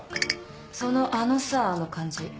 その「あのさ」の感じ